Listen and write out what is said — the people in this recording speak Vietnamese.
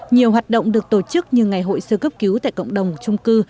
nhiều hoạt động được tổ chức như ngày hội sơ cấp cứu tại cộng đồng trung cư